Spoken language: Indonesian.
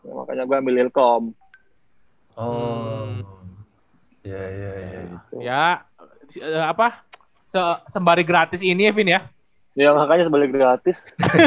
oh makanya gue milih com oh ya ya ya apa sebarik gratis ini ya ya makanya sebalik gratis